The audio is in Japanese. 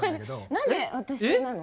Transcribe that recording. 何で私なの？